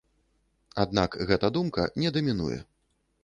Аднак гэта думка не дамінуе.